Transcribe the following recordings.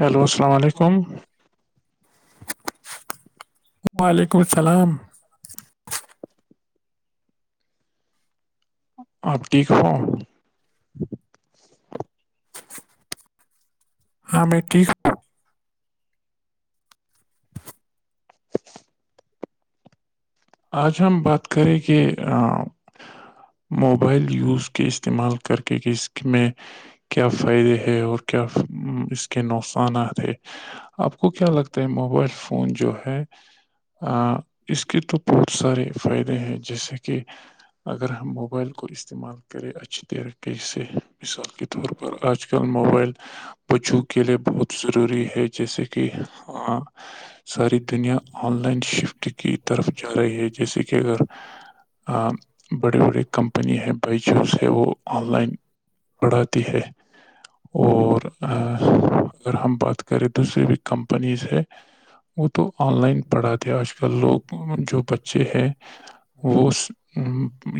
Hello السلام علیکم وعلیکم السلام آپ ٹھیک ہو ہاں میں بی ٹھیک ہوں آج ہم بات کریں کہ موبائل یوز کے استعمال کر کے کہ اس میں کیا فائدے ہے اور کیا اس کے نقصانات ہے آپ کو کیا لگتا ہے موبائل فون جو ہے اس کے تو بہت سارے فائدے ہیں جیسے کہ اگر ہم موبائل کو استعمال کریں اچھی طریقے سے مثال کے طور پر آج کل موبائل بچوں کے لیے بہت ضروری ہے جیسے کہ کہ ساری دنیا آن لائن شفٹ کی طرف جا رہی ہے جیسے کہ اگر بڑی بڑی کمپنی ہے بائیجز ہے وہ آن لائن بڑھاتی ہے اور اگر ہم بات کریں دوسرے کمپنیز ہے وہ تو آن لائن پڑھاتی ہے آج کل لوگ جو بچے ہیں وہ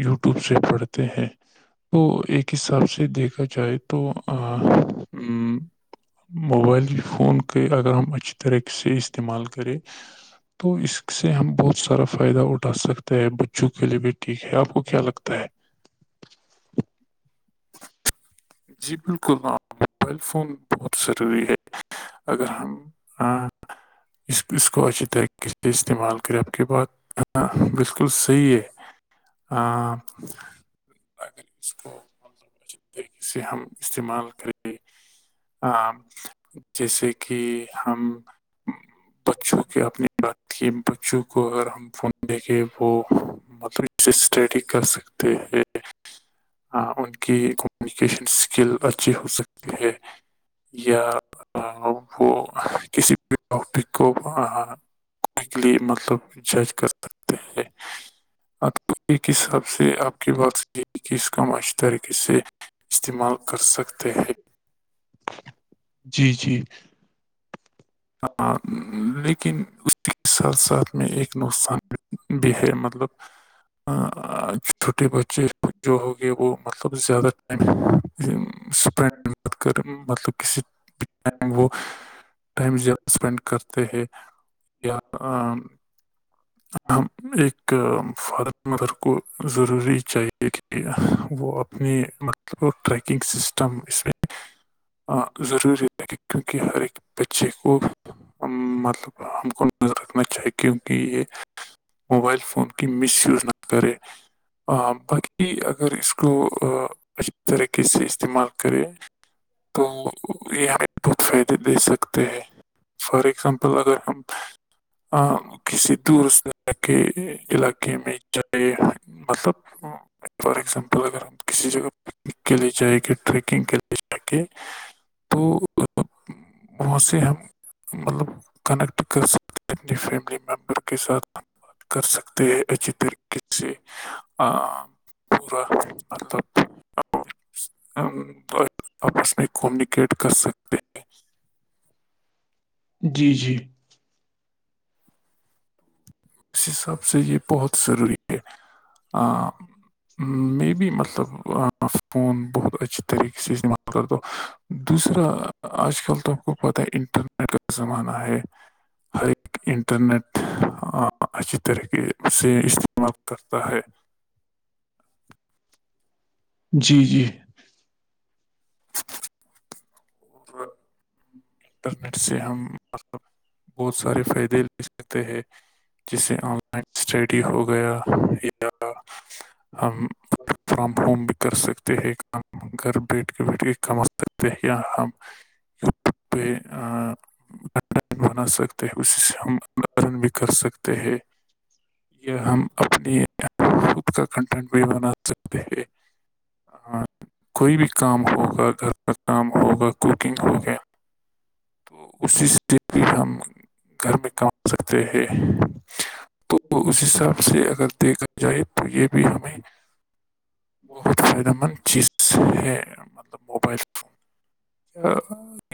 یوٹیوب سے پڑھتے ہیں تو ایک حساب سے دیکھا جائے تو موبائل فون کے اگر ہم اچھی طریقے سے استعمال کریں تو اس سے ہم بہت سارا فائدہ اٹھا سکتا ہیں بچوں کے لیے بھی ٹھیک ہے آپ کو کیا لگتا ہے جی بالکل ہاں موبائل فون بہت ضروری ہے اگر ہم اس اس کو اچھی طریقے سے استعمال کریں آپ کی بات ہاں بالکل صحیح ہے ہاں اسے ہم استعمال کریں ہ جیسے کہ ہم بچوں کے اپنے باقی بچوں کو ا ہم فون دے کے وہ مطلب اس اسٹڈی کر سکتے ہیں ہ ان کی کمیونیکیشن اسکل اچھی ہو سکتی ہے یا وہ کسی بھی ٹوپک کو کو کے لیے مطلب جج کر سکتے ہیں ایک حساب سے آپ کی بات یہ ہے کہ اس کا معش طرق سے استعمال کر سکتے ہیں جی جی ہ لیکن اس ساتھ ساتھ میں ایک نقصان بھی ہے مطلب چھوٹے بچے جو ہوگے وہ مطلب زیادہ سپینڈ کر مطلب کسی وہ ٹائم زیادہ اسپینڈ کرتے ہیں یا ایک فادر مدر کو ضروری چاہیے کہ وہ اپنے مطلب ٹریکنگ سسٹم اس میں ضروری ہے کہ کیونکہ ہر ایک بچے کو مطلب ہم کو رکھنا چاہی کیونکہ یہ موبائل فون کی مس یوز نہ کرے باقی اگر اس کو اچھی طریقے سے استعمال کرے تو یہ ہمیں بہت فائدے دے سکتے ہیں فار اگزامپل اگر ہم آہ کسی [unintelligible] دو رست کے علاقے کے میں جاہے مطلب فار ایگزامپل اگر ہم کسی جگہ کے لیے جائیں گے ٹریکنگ کے لیے کہ تو وہاں سے ہم مطلب کنیکٹ کر سکتے اپنے فیملی ممبر کے ساتھ کر سکتے ہیں اچھی طریقے سے پوراب وپس [unintelligible] کمونیکیٹ کر سکتے ہیں جی جی [unintelligible] اس حساب سے یہ بہت ضروری ہے ہ می بھی مطلب فون بہت اچھی طریقے سے استعمال کر دو دوسرا آج کل تو آپ کو پتہ ہے انٹرنیٹ کا زمانہ ہے ہر ایک انٹرنیٹ آ، اچھی طریقے سے استعمال کرتا ہے جی جی اور [unintelligible] انٹرنیٹ سے ہم مطلب بہت سارے فائدے لے سکتے ہیں جیسے آن لائن اسٹڈی ہو گیا یا ہم فرام ہوم بھی کر سکتے ہیں گھر بیٹھ کے بیٹھ کے کما سکتے ہیں ہم یوٹیوب پہ آہ [unintelligible] بنا سکتے ہیں اسی سے ہم آرن بھی کر سکتے ہیں [unintelligible] یہ ہم اپنی خود کا کنٹینٹ بھی بنا سکتے ہیں ہاں کوئی بھی کام ہوگا گھر کا کام ہوگا کوکنگ ہو گیا اسی سے بھی ہم گھر میں کام سکتے ہیں تو اس حساب سے اگر دیکھا جائے تو یہ بھی ہمیں بہت فائدہ مند چیز ساہی ہے مطلب موبائل [unintelligible]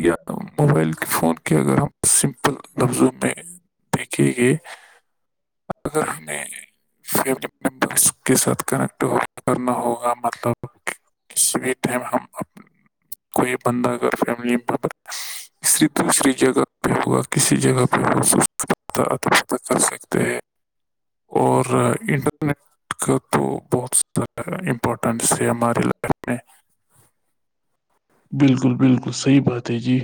یا موبائل کے فون کے اگر ہم سمپل لفظوں میں دیکھے گےاگر ہمیں فیم ممبرس کے ساتھ کنیکٹ کرنا ہوگا مطلب کسی بھی ٹائم ہم کوئی بندہ اگر فیملی [unintelligible] اس دوسری جگہ پہ ہوا کسی جگہ پہ ہو کر سکتے ہیں [inaudible] اور انٹرنیٹ کا تو بہت زیادہ امپورٹنس ہے ہماری لائف میں بالکل بالکل صحیح بات ہے جی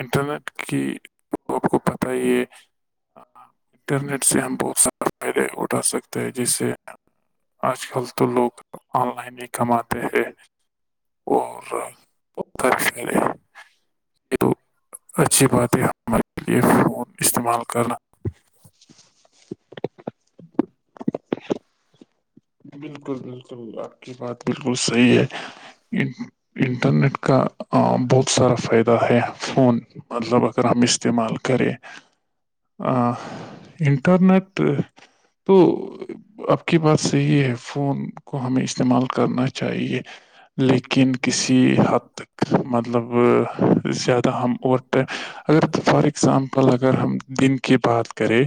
انٹرنیٹ کی آپ کو پتہ یہ انٹرنیٹ سے ہم بہت سارے فائدے اٹھا سکتے ہیں جیس سے آج کل تو لوگ آن لائن ہی کماتے ہیں اور پش مے یہ تو اچھی بات ہے ہمارے لیے فون استعمال کرنا بالکل بالکل تو آپ کی بات بالکل صحیح ہے انٹرنیٹ کا عام بہت سارا فائدہ ہے فون مطلب اگر ہم استعمال کریں انٹرنیٹ تو آپ کے پاس تو یہ فون کو ہمیں استعمال کرنا چاہیے لیکن کسی حد مطلب زیادہ ہم ہم اور پہ اگر فار اگزامپل اگر ہم دن کی بات کریں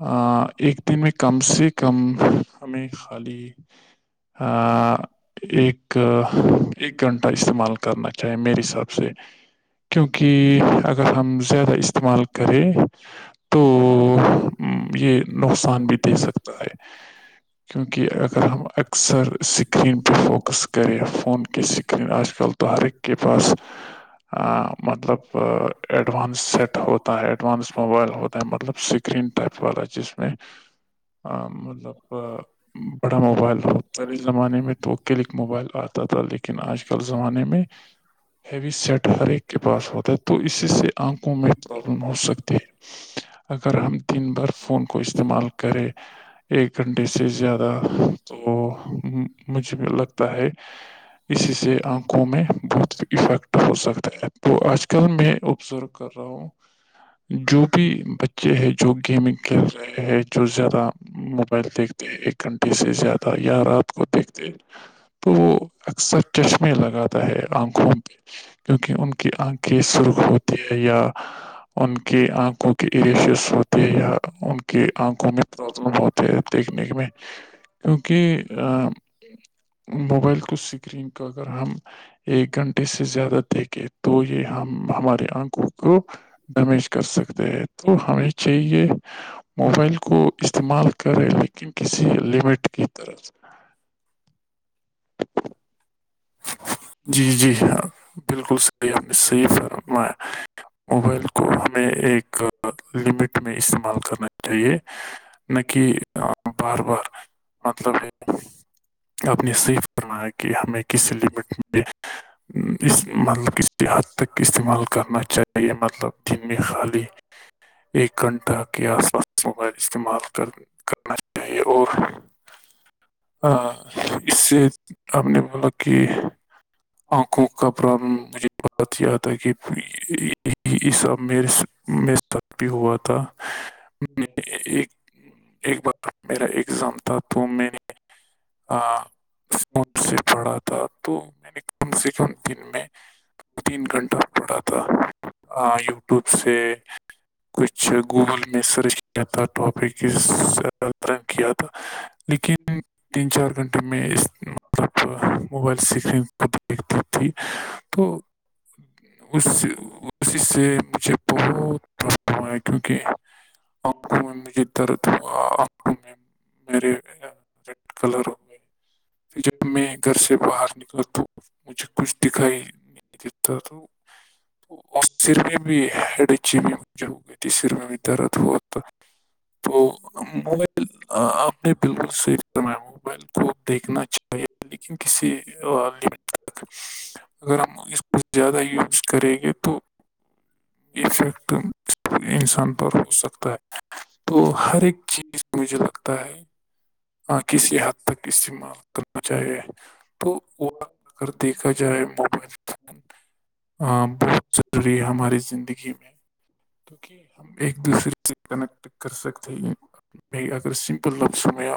ایک دن میں کم سے کم ہمیں خالی ایک ایک گھنٹہ استعمال کرنا چاہیں میرے ساتھ سے کیونکہ اگر ہم زیادہ استعمال کریں تو یہ نقصان بھی دے سکتا ہے کیونکہ اگر ہم اکثر س سکرین پہ فوکس کرے فون کے سکرین آج کل تو ہرک کے پاس مطلب ایڈوانس سیٹ ہوتا ہے ایڈوانس موبائل ہوتا ہے مطلب اسکرین ٹائپ والا جس میں ہ مطلب بڑا موبائل ہو پہلے زمانے میں تو کلک موبائل آتا تھا لیکن آج کل زمانے میں ہیوی سیٹ ہر ایک کے پاس ہوتا ہے تو اس سے آنکھوں میں پرابلم ہو سکتی ہے اگر ہم دن بھر فون کو استعمال کریں ایک گھنٹے سے زیادہ تو مجھے بھی لگتا ہے اسی سے آنکھوں میں بہت افیکٹ ہو سکتا ہے تو آج کل میں آبزرو کر رہ جو بھی بچے ہے جو گیمنگ کھیل رہے ہے جو زیادہ موبائل دیکھتے ایک گھنٹے سے زیادہ یا رات کو دیکھتے تو وہ اکثر چشمے لگاتا ہے آنکھوں پہ کیونکہ ان کی آنکھیں سرخ سکتی ہوتی ہے یا ان کے آنکھوں ایریشس ہوتی ہے یا ان کے آنکھوں میں پرابلم ہوتی ہے دیک ک کی میں کیونکہ ا موبائل کو سکرین کو اگر ہم ایک گھنٹے سے ہے۔ زیادہ دیکھے تو یہ ہم ہمارے آنکھوں کو ڈمیج کر سکتے ہیں تو ہمیں چاہیے موبائل کو استعمال کرے لیکن کسی لمٹ کی طرف [unintelligible] جی جی ہاں بالکل صحیح ہم نے صحیح فرمایا موبائل کو ہمیں ایک لمٹ میں استعمال کرنا چاہیے نک بار بار مطلب اپنی سیکف کرنا ہے کہ ہمیں کس لمٹ میں اس مطلب اس حد تک استعمال کرنا چاہیے مطلب دن میں خالی ایک گھنٹہ کے آس پاس موبائل استعمال کرنے کرنا چاہیے اور ا اس سے ہم نے مل کہ آنکھوں کا پرابلم م بات یا تھا ہے کہ یہ سب میرے سے میرے ساتھ بھی ہوا تھا ایک ایک بار میرا ایگزام تھا تو میں سے پڑھا تھا تو میں نے کم سے کم دن میں تین گھنٹہ پڑا تھا ہ یوٹیوب سے کچھ گوگل میں سرچ کیا تھا ٹاپک ز ترن کیا تھا لیکن جی تین چار گھنٹے میں اس مطلب موبائل سکرین کو دیکھتی تھی تو اس اسی سے مجھے بہتابلمیا کیونکہ ہاں جی آنکھوں میں مجھے درد ہوا آپ کو میں میرے ریڈ کلر ہوئے پھر جب میں گھر سے باہر نکل تو مجھے کچھ دکھائی نہیں دیتا تو اسر میں بھی ہیڈ اچی بھی مجھے ہو گئی تھی سر میں بھی درد ہوا تو موبائل آپ نے بالکل صحیف یں موبائل کو دیکھنا چاہیے لیکن کسی لمٹ تک اگر ہم اس کو زیادہ یوز کریں گے تو افیکٹ انسان پر ہو سکتا ہے تو ہر ایک چیز مجھے لگتا ہے ہ کسی حد تک استعمال کرنا جائے تو وہ اگر دیکھا جائے موبائل بہت ضروری ہے ہماری زندگی میں کیونکہ ہم ایک دوسرے کنیکٹ کر سکتے ہیں بائی اگر سمپل لفظ میں آ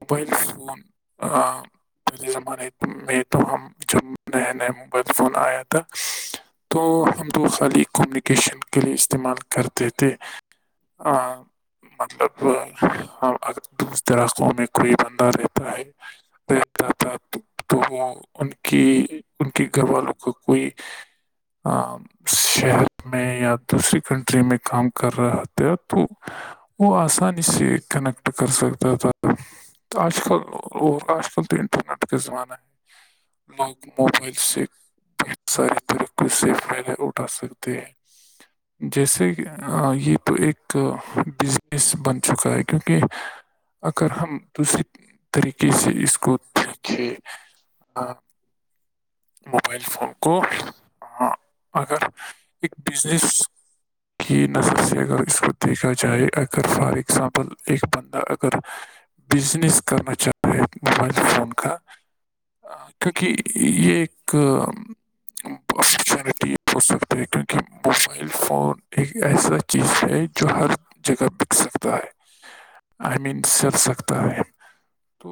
موبائل فون پہلے زمانے میں تو ہم ج نیا نیا موبائل فون آیا تھا تو ہم دوسال کمیونیکیشن کے لیے استعمال کرتے تھ مطلب اگر دور دراز علاقوں میں کوئی بندہ رہتا ہے رہتا تھا تو وہ ان کی ان کے گھر والوں کا کوئی شہر میں یا دوسری کنٹری میں کام کر رہا تھا تو وہ آسانی سے کنیکٹ کر سکتا تھا تو آج کل اور آج کل تو انٹرنیٹ کا زمانہ ہے لوگ موبائل سے ساری طری کو سیف نہیں اٹھا ستے ہیں جیسے یہ تو ایک بزنس بن چکا ہے کیونکہ اگر ہم دوسری طریقے سے اس کو دیکھے موبائل فون کو ہ اگر ایک بزنس کی نظر سے اگر اس کو دیکھا جائے اگر فار ایگزامپل ایک بن اگر بزنس کرنا چاہتا ہیں موبائل فون کا کیونکہ یہ ایک اپچونٹی ہو سکتی ہے کیونکہ موبائل فون ایک ایسا چیز ہے جو ہر جگہ بک سکتا ہے آئی مین سل سکتا ہے تو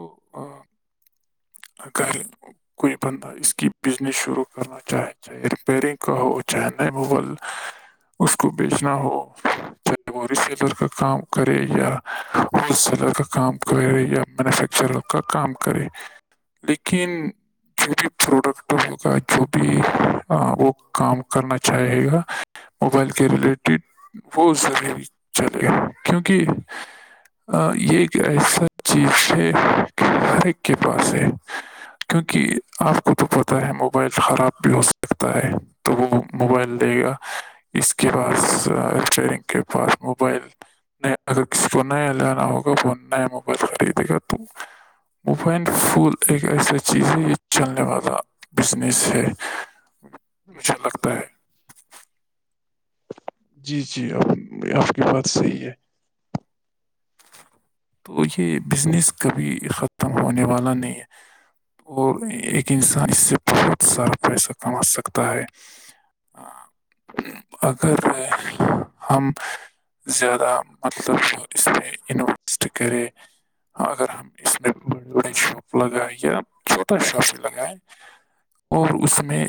اگر کوئی بندہ اس کی بزنس شروع کرنا چاہے چاہے ریپئرنگ کہ چاہ ن مغل اس کو بیچنا ہو وہ ریٹیلر کا کام کرے یا ہول سیلر کا کام یا مینوفیکچر کا کام کرے لیکن جو بھی پروڈکٹ ہوگا جو بھی ہاں وہ کام کرنا چاہے گا موبائل کے ریلیٹڈ وہ ضروری چلےگا کیونکہ یہ ایک ایسا چیز ہے کہ ہر ایک کے پاس ہے کیونکہ آپ کو تو پت ہے موبائل خراب بھی ہو سکتا ہے تو وہ موبائل دے گا اس کے پاس ررنگ کے پاس موبائل جس کو نیا لانا ہوگا وہ نیا موبائل خریدے گا تو ون پھول ایک ایسا چیز ہے یہ چلنے والا بزنس ہے مجھے لگتا ہے جی جی آپ کی بات صحیح ہے تو یہ بزنس کبھی ختم ہونے والا نہیں ہے اور ایک انسان اس سے بہت سارا پیسہ کما سکتا ہے اگر میں ہم زیادہ مطلب اس میں انویسٹ کریں اگر ہم اس میں بڑے بڑے شاپ لگائے یا چھوٹا شاپ لگائے اور اس میں